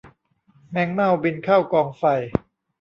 แมงเม่าบินเข้ากองไฟ